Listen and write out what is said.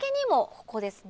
ここですね。